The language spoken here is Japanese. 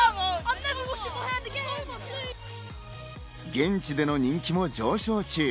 現地での人気も上昇中。